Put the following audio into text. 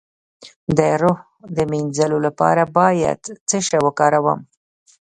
د روح د مینځلو لپاره باید څه شی وکاروم؟